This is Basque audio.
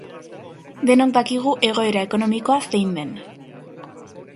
Denok dakigu egoera ekonomikoa zein den.